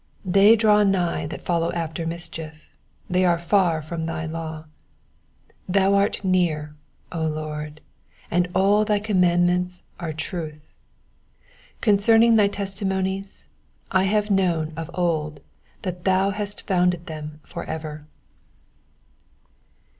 1 50 They draw nigh that follow after mischief : they are far from thy law. 151 Thou art near, O LORD ; and all thy commandments are truth. 152 Concerning thy testimonies, I have known of old that thou hast founded them for ever.